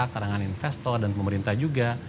karangan investor dan pemerintah juga